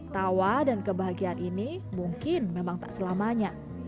tawa dan kebahagiaan ini mungkin memang tak selamanya